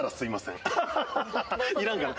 いらんかな？